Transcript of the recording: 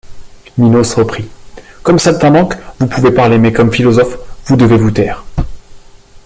Minos reprit: — Comme saltimbanque, vous pouvez parler, mais comme philosophe, vous devez vous taire.